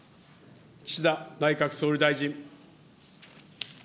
岸田内閣総理大臣。